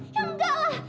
ya enggak lah